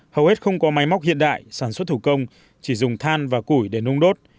hầu hết không có máy móc hiện đại sản xuất thủ công chỉ dùng than và củi để nung đốt